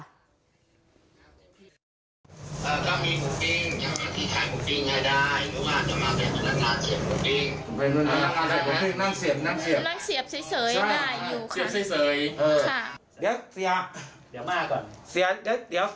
เราก็มีหมูปิ้งใช้หมูปิ้งง่ายได้